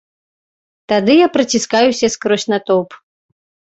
Тады я праціскаюся скрозь натоўп.